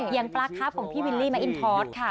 อย่างปลาครับของพี่วิลลี่แมคอินทอสค่ะ